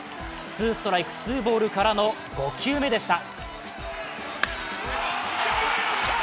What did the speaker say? ツーストライク・ツーボールからの５球目でした。